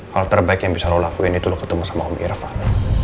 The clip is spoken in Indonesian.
hal terbaik yang bisa lo lakuin itu lo ketemu sama om irfan